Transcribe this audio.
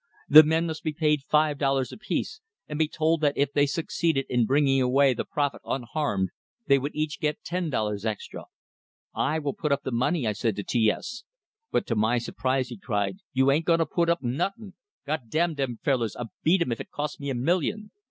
The men must be paid five dollars apiece, and be told that if they succeeded in bringing away the prophet unharmed, they would each get ten dollars extra. "I will put up that money," I said to T S; but to my surprise he cried: "You ain't gonna put up nuttin'! God damn dem fellers, I'll beat 'em if it costs me a million!"